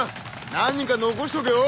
何人か残しとけよ。